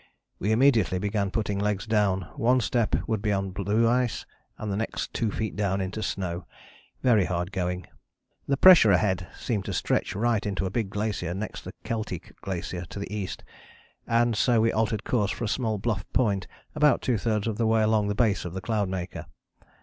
We immediately began putting legs down: one step would be on blue ice and the next two feet down into snow: very hard going. The pressure ahead seemed to stretch right into a big glacier next the Keltie Glacier to the east, and so we altered course for a small bluff point about two thirds of the way along the base of the Cloudmaker.